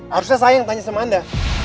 harusnya saya yang tanya sama anda